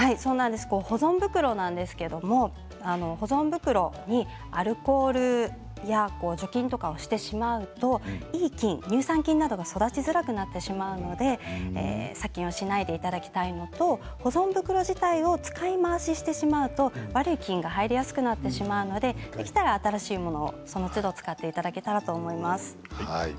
保存袋ですが保存袋にアルコールや除菌とかをしてしまうといい菌、乳酸菌などが育ちづらくなるので殺菌しないでいただきたいのと保存袋自体を使い回しすると悪い菌が入りやすくなってしまうのでできたら新しいものをそのつど使っていただけたらと思います。